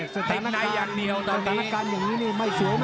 สถานการณ์จังงนี้ไม่สวย